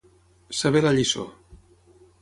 Saber la lliçó.